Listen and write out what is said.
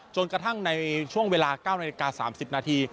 จนกระทั่งในช่วงเวลา๙นาฬิกา๓๐นาที